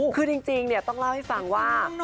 คือจริงต้องเล่าให้ฟังว่า